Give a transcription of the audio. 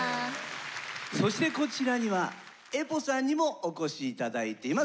そしてこちらにはＥＰＯさんにもお越し頂いています。